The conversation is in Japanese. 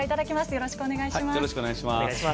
よろしくお願いします。